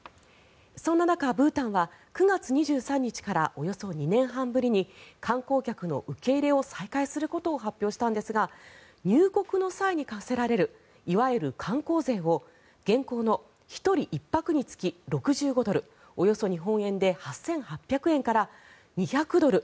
そんな中ブータンは９月２３日からおよそ２年半ぶりに観光客の受け入れを再開することを発表したんですが入国の際に課せられるいわゆる観光税を現行の１人１泊につき６５ドルおよそ日本円で８８００円から２００ドル